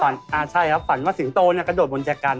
อ่าใช่ครับฝันว่าสิงโตเนี่ยกระโดดบนจากกัน